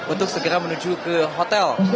untuk segera menuju ke hotel